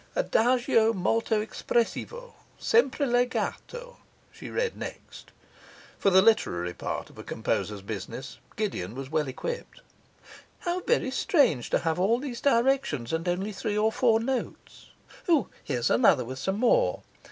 'Adagio molto espressivo, sempre legato,' she read next. (For the literary part of a composer's business Gideon was well equipped.) 'How very strange to have all these directions, and only three or four notes! O, here's another with some more.